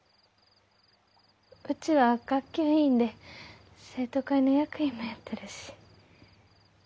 うちは学級委員で生徒会の役員もやってるし。